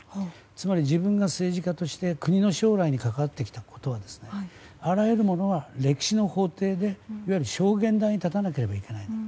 つまり自分が政治家として国の将来に関わってきたことはあらゆるものは歴史の法廷でいわゆる証言台に立たなければいけない。